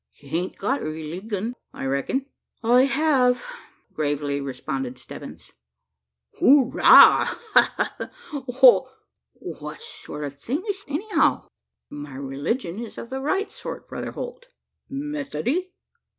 You hain't got rileegun, I reck'n?" "I have," gravely responded Stebbins. "Hooraw! ha, ha, ha! Wal what sort o' thing is't anyhow?" "My religion is of the right sort, Brother Holt." "Methody?"